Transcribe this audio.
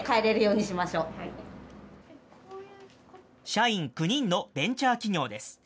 社員９人のベンチャー企業です。